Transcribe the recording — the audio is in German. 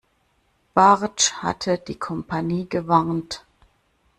Bartsch hatte die Kompanie gewarnt.